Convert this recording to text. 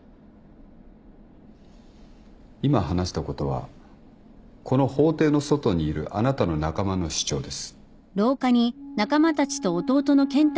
今話したことはこの法廷の外にいるあなたの仲間の主張です。